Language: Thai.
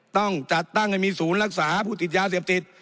ต้องจัดตั้งให้มีศูนย์รักษาผู้ติดยาเสพติด